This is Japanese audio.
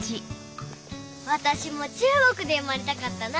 わたしも中国で生まれたかったな。